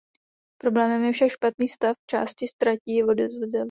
Problémem je však špatný stav části tratí i vozidel.